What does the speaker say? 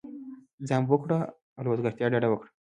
ځان بوخت كړه او له وزګارتیا ډډه وكره!